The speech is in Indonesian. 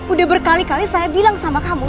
udah berkali kali saya bilang sama kamu